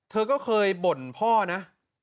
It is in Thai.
เธอก็เคยบ่นพ่อนะ